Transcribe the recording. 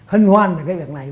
hân hoan được cái việc này